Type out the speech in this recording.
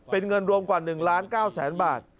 เป็นเงินรวมกว่า๑๙๐๐๐๐๐บาท